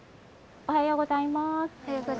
おはようございます。